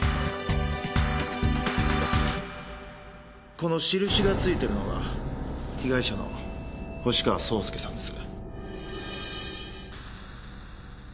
この印がついてるのが被害者の星川草介さんです。